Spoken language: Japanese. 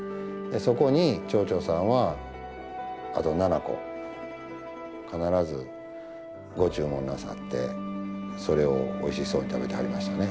そこに蝶々さんはあと７個必ずご注文なさってそれをおいしそうに食べてはりましたね。